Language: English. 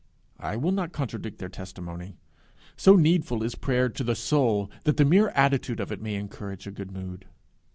I will not contradict their testimony. So needful is prayer to the soul that the mere attitude of it may encourage a good mood.